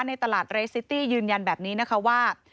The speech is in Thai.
ในตลาดเรสซิตี้ยืนยันแบบนี้นะคะว่า